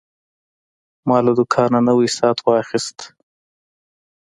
ما له دوکانه نوی ساعت واخیست.